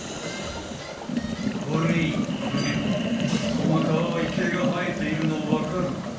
ほれこのへん細かい毛が生えているのわかるかな？